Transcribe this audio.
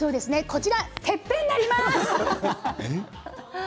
こちらてっぺんになります。